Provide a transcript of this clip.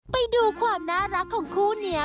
ไปดูความน่ารักของคู่นี้